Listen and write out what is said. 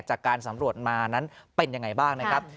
จากการสำรวจมานั้นเป็นยังไงบ้างนะครับ